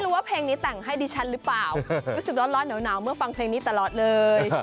ว่าเพลงนี้แต่งให้ดิฉันหรือเปล่ารู้สึกร้อนหนาวเมื่อฟังเพลงนี้ตลอดเลย